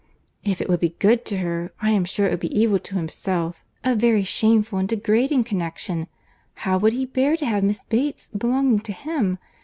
"If it would be good to her, I am sure it would be evil to himself; a very shameful and degrading connexion. How would he bear to have Miss Bates belonging to him?